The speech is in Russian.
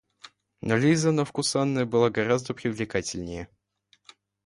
Но Лиза на вкус Анны была гораздо привлекательнее.